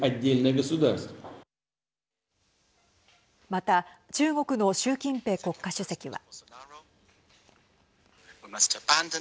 また中国の習近平国家主席は。